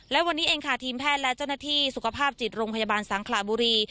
และวันนี้เองค่ะทีมแพทย์และเจ้าหน้าที่สุขภาพจิตโรงพยาบาลสังขลาบุรี